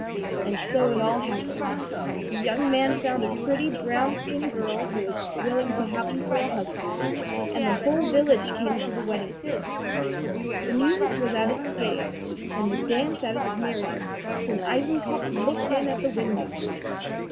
And so it all happened. The young man found a pretty, brown skinned girl who was willing to have him for a husband, and the whole village came to the wedding feast. The music was at its gayest, and the dance at its merriest, when Eisenkopf looked in at the window.